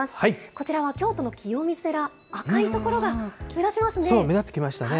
こちらは京都の清水寺、赤い所が目立ってきましたね。